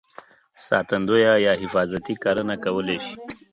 ساتندویه یا حفاظتي کرنه کولای شي.